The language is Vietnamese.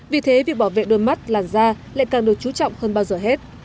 vì thế việc bảo vệ đôi mắt làn da lại càng được chú trọng hơn bao giờ hết